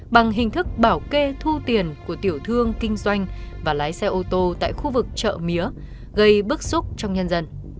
bằng hình thức bảo kê thu tiền của tiểu thương kinh doanh và lái xe ô tô tại khu vực chợ mía gây bức xúc trong nhân dân